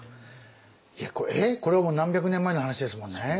いやえっこれもう何百年前の話ですもんね。